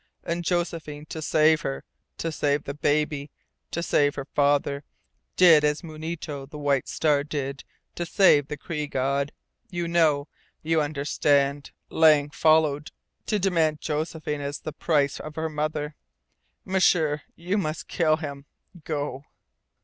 And Josephine, to save her, to save the baby, to save her father did as Munito the White Star did to save the Cree god. You know. You understand. Lang followed to demand Josephine as the price of her mother. M'sieur, YOU MUST KILL HIM! GO!"